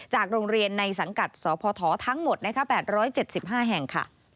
โรงเรียนในสังกัดสพทั้งหมด๘๗๕แห่ง